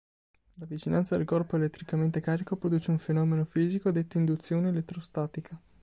La vicinanza del corpo elettricamente carico produce un fenomeno fisico detto induzione elettrostatica.